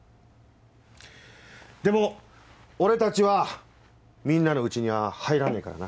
でも俺たちは「みんな」のうちには入らねえからな。